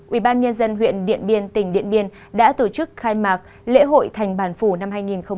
ubnd huyện điện biên tỉnh điện biên đã tổ chức khai mạc lễ hội thành bản phủ năm hai nghìn một mươi chín